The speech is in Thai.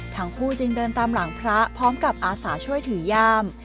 ทั้งคู่จึงเดินตามหลังพระพร้อมกับอาสาช่วยถือย่าม